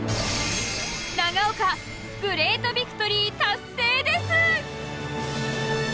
長岡グレートビクトリー達成です！